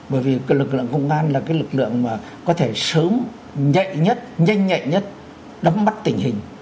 bởi vì lực lượng công an là cái lực lượng mà có thể sớm nhạy nhất nhanh nhạy nhất đắm mắt tình hình